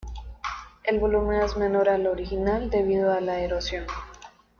El volumen es menor al original debido a la erosión.